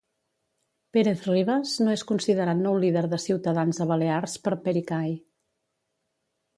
Pérez-Ribas no és considerat nou líder de Ciutadans a Balears per Pericay.